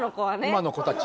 今の子たち。